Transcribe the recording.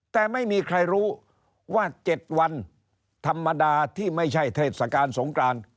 แต่ไม่มีใครรู้ว่า๗วันธรรมดาที่ไม่ใช่เทศกาลสงกราน